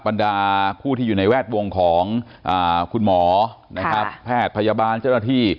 บรรดาผู้ที่อยู่ในแวดวงของคุณหมอนะครับแพทย์พยาบาลเจ้าหน้าที่